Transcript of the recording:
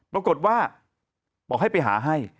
ปรากฏว่าบอกให้ไปหาให้